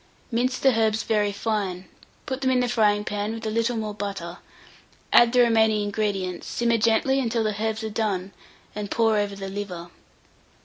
Mince the herbs very fine, put them in the frying pan with a little more butter; add the remaining ingredients, simmer gently until the herbs are done, and pour over the liver.